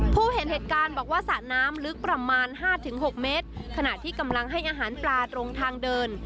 ผู้เห็นเหตุการณ์บอกว่าสระน้ำลึกประมาณห้าถึงหกเมตรขณะที่กำลังให้อาหารปลาตรงทางเดิน